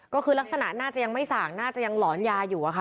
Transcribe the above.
ก็คือลักษณะน่าจะยังไม่สั่งน่าจะยังหลอนยาอยู่อะค่ะ